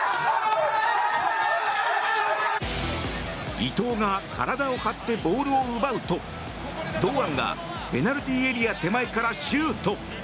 伊東が体を張ってボールを奪うと堂安がペナルティーエリア手前からシュート。